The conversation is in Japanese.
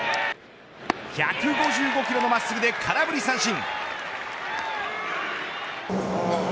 １５５キロの真っすぐで空振り三振。